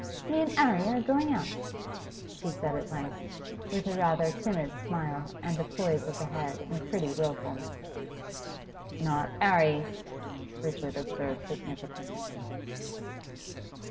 'Me and 'Arry are going out,' she said at length, with a rather timid smile and a poise of the head in pretty wilfulness. 'Not 'Arry,' Richard observed significantly.